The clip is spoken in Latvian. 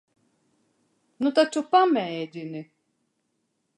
Nu taču, pamēģini.